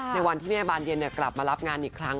ในวันที่แม่บานเย็นกลับมารับงานอีกครั้ง